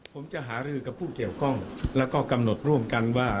ผมจะหารือกับผู้เกี่ยวข้องแล้วก็กำหนดร่วมกันว่า